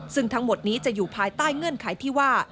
ซึ่งทั้งหมดนี้จะอยู่ภายใต้เงื่อนไขที่ว่า